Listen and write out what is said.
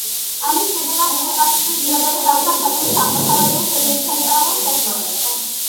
ამის შედეგად იგი პასუხისმგებელი გახდა ქვეყნის აღმოსავლეთ და შემდეგ ცენტრალურ სექტორზე.